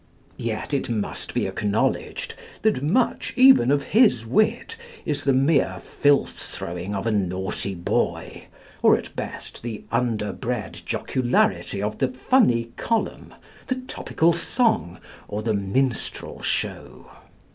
Yet it must be acknowledged that much even of his wit is the mere filth throwing of a naughty boy; or at best the underbred jocularity of the "funny column," the topical song, or the minstrel show.